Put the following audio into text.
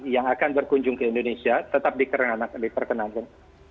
yang akan berkunjung ke indonesia tetap diperkenankan